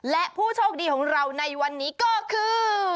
และผู้โชคดีของเราในวันนี้ก็คือ